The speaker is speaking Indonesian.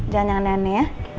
jangan yang aneh aneh ya